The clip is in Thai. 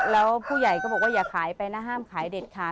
แล้วผู้ใหญ่ก็บอกว่าอย่าขายไปนะห้ามขายเด็ดขาด